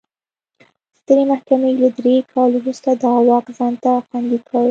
سترې محکمې له درې کال وروسته دا واک ځان ته خوندي کړ.